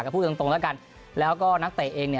ก็พูดตรงแล้วก็นักเตะเอง